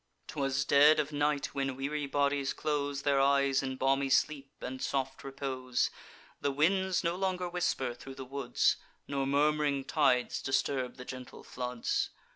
"'Twas dead of night, when weary bodies close Their eyes in balmy sleep and soft repose: The winds no longer whisper thro' the woods, Nor murm'ring tides disturb the gentle floods.